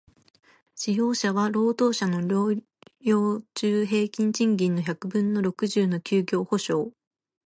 使用者は、労働者の療養中平均賃金の百分の六十の休業補償